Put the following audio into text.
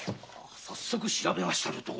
早速調べましたる所